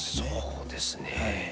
そうですね。